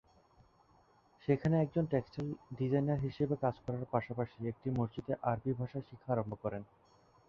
সেখানে একজন textile designer হিসাবে কাজ করার পাশাপাশি একটি মসজিদে আরবী ভাষা শিখা আরম্ভ করেন।